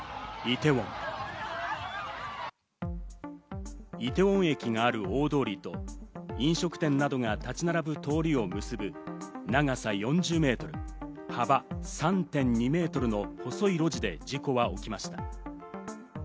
イテウォン駅がある大通りと飲食店などが立ち並ぶ通りを結ぶ長さ４０メートル、幅３．２メートルの細い路地で事故は起きました。